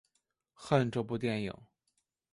恨这部电影！